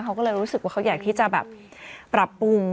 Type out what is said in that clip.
เขาก็เลยรู้สึกว่าเขาอยากที่จะแบบปรับปรุง